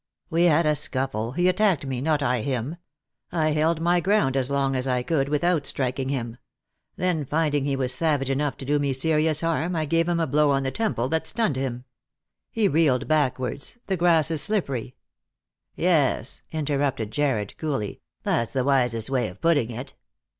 " We had a scuffle ; he attacked me, not I him. I held my ground as long as I could without striking him. Then finding he was savage enough to do me serious harm, I gave him a blow on the temple, that stunned him. He reeled backwards ; the grass is slippery " "Yes," interrupted Jarred coolly; "that's the wisest way of putting it."